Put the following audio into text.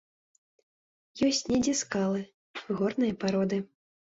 Ёсць недзе скалы, горныя пароды.